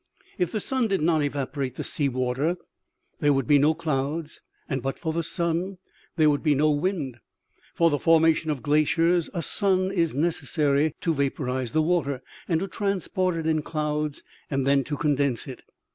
" If the sun did not evaporate the sea water there would be no clouds, and but for the sun there would be no wind. For the formation of glaciers a sun is necessary, to vapor ize the water and to transport it in clouds and then to condense it.